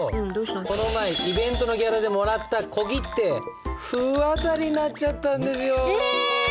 この前イベントのギャラでもらった小切手不渡りになっちゃったんですよ。